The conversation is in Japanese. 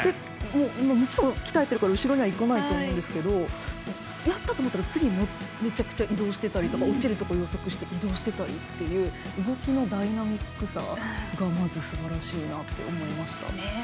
もちろん鍛えてるから後ろにはいかないと思いますけどやったと思ったら、次めちゃくちゃ移動してたりとか落ちるところ予測して移動してたり動きのダイナミックさが、まずすばらしいなと思いました。